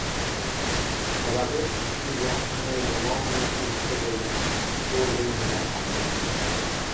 Sababi, siz yaxshimi-yomonmi, urushda bo‘lgansiz, orden-medal olgansiz!